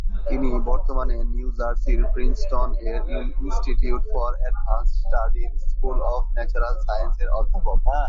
তিনি বর্তমানে নিউ জার্সির প্রিন্সটন-এর "ইনস্টিটিউট ফর অ্যাডভান্সড স্টাডি"র "স্কুল অফ ন্যাচারাল সায়েন্স" -এর অধ্যাপক।